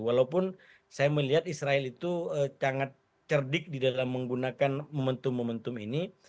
walaupun saya melihat israel itu sangat cerdik di dalam menggunakan momentum momentum ini